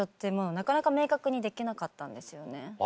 なかなか明確にできなかったんですよね。